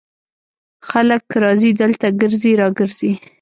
خلک راځي دلته ګرځي را ګرځي.